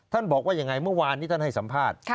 บอกว่ายังไงเมื่อวานนี้ท่านให้สัมภาษณ์